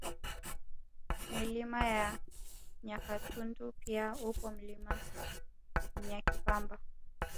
Milima ya Nyakatuntu pia upo Mlima Nyakipamba